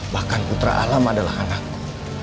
bahkan putra alam adalah anakku